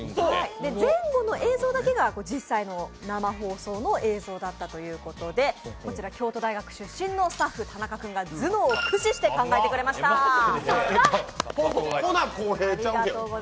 前後の映像だけが実際の生放送の映像だったということでこちら京都大学出身のスタッフ、田中君がさすが！！ほな公平ちゃうやん